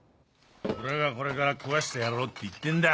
俺がこれから食わしてやろうって言ってんだ。